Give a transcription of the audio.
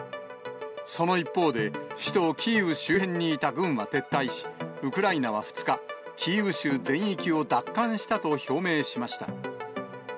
その一方で、首都キーウ周辺にいた軍は撤退し、ウクライナは２日、キーウ州全域を奪還したと表明しました。